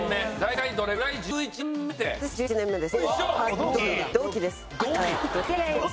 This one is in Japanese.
私１１年目です。